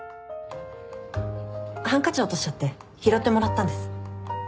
ハンカチ落としちゃって拾ってもらったんです。